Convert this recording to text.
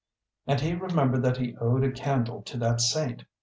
And he remembered that he owed a candle to that saint.